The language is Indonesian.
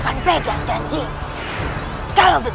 kau melahirkan aku dari mystic monastery